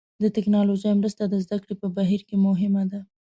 د ټکنالوژۍ مرسته د زده کړې په بهیر کې مهمه ده.